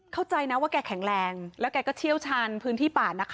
เข้าใจนะว่าแกแข็งแรงแล้วแกก็เชี่ยวชาญพื้นที่ป่านะคะ